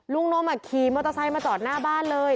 นมขี่มอเตอร์ไซค์มาจอดหน้าบ้านเลย